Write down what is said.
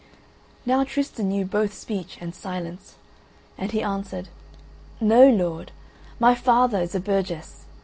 Now Tristan knew both speech and silence, and he answered: "No, lord; my father is a burgess.